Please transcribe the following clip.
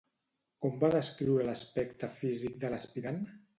Com va descriure l'aspecte físic de l'aspirant?